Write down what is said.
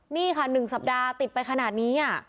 นี่ค่ะ๑สัปดาห์ติดไปขนาดนี้